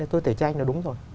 thì tôi tẩy chay nó đúng rồi